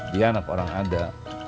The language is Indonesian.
dia anak orang ada